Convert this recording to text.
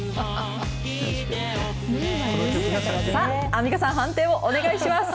アンミカさん、判定をお願いします。